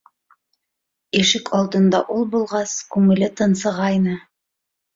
Ишек алдында ул булғас, күңеле тынсығайны!